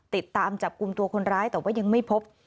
ติดตามจับกลุ่มตัวคนร้ายแต่ว่ายังไม่พบ